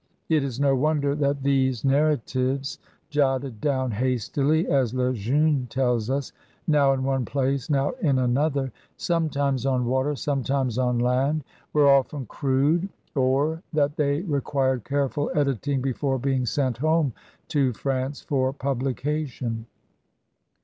It is no wonder that these narra tives, "jotted down hastily," as Le Jeune tells us, '^now in one place, now in another, sometimes on water, sometimes on land," were often crude, or 120 CRUSADERS OF NEW FEIANCE that they required careful editing before being sent home to France for publication.